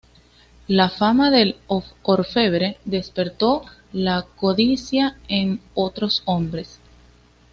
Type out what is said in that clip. La fama del orfebre despertó la codicia en otros hombres.